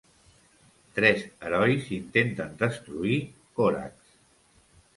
Tres herois intenten destruir Korax.